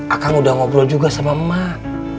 akan udah ngobrol juga sama emak